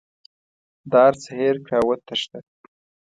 د هر څه هېر کړه او وتښته.